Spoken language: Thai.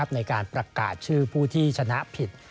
ในการประกาศชื่อผู้ที่ชนะผิด